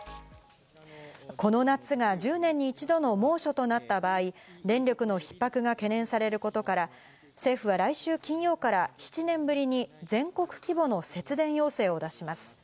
この夏が１０年に一度の猛暑となった場合、電力の逼迫が懸念されることから、政府は来週金曜から７年ぶりに全国規模の節電要請を出します。